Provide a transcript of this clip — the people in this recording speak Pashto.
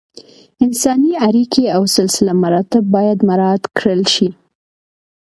انساني اړیکې او سلسله مراتب باید مراعت کړل شي.